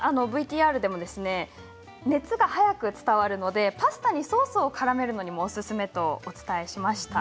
アルミはＶＴＲでも熱が早く伝わるのでパスタにソースをからめるのにおすすめとお伝えしました。